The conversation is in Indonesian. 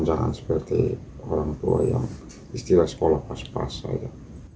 jangan seperti orang tua yang istilah sekolah pas pas saja